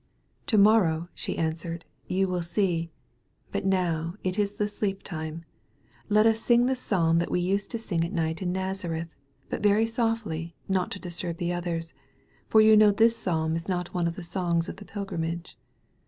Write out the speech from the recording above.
"To morrow," she answered, "you will see. But now it is the sleep time. Let us sing the psalm that we used to sing at night in Nazareth — but very softly, not to disturb the others — ^for you know this psalm is not one of the songs of the pilgrimage."